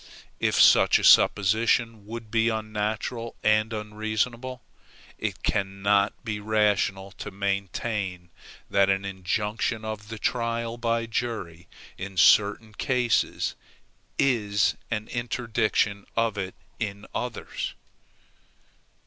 If such a supposition would be unnatural and unreasonable, it cannot be rational to maintain that an injunction of the trial by jury in certain cases is an interdiction of it in others.